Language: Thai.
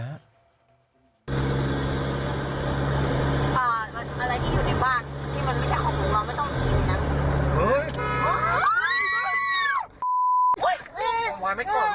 อะไรที่อยู่ในบ้านที่มันไม่ใช่ของของเราไม่ต้องกินนะ